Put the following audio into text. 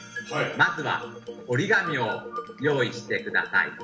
まずは折り紙を用意して下さい。